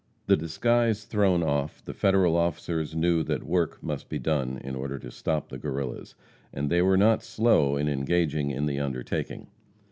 The disguise thrown off, the Federal officers knew that work must be done in order to stop the Guerrillas, and they were not slow in engaging in the undertaking.